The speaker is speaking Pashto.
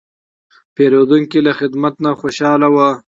پیرودونکی له خدمت نه خوشاله و.